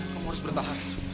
kamu harus bertahan